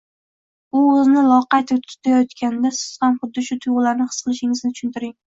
u o‘zini loqayddek tutayotganida siz ham xuddi shu tuyg‘ularni his qilishingizni tushuntiring.